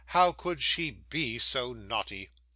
How could she be so naughty!